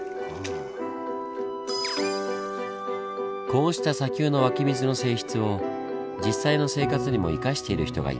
こうした砂丘の湧き水の性質を実際の生活にも生かしている人がいます。